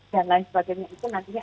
dan lain sebagainya itu nantinya